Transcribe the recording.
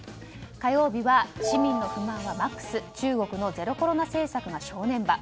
火曜日は市民の不満はＭＡＸ中国のゼロコロナ政策が正念場。